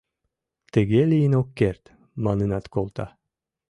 «Тыге лийын ок керт!» манынат колта.